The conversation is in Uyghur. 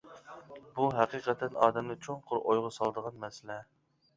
بۇ ھەقىقەتەن ئادەمنى چوڭقۇر ئويغا سالىدىغان مەسىلە.